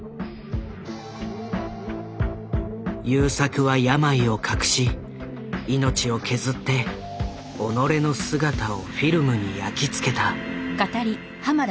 優作は病を隠し命を削って己の姿をフィルムに焼き付けた。